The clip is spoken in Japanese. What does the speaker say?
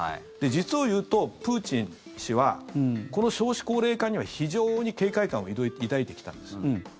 実をいうと、プーチン氏はこの少子高齢化には非常に警戒感を抱いてきたんです。